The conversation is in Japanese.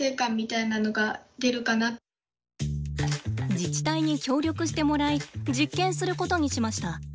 自治体に協力してもらい実験することにしました。